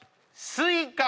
スイカ⁉